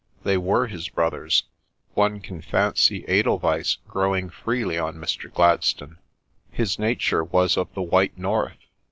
" They were his broth ers. One can fancy edelweiss growing freely on Mr. Gladstone. His nature was of the white North.